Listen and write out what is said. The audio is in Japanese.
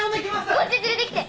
こっち連れてきて！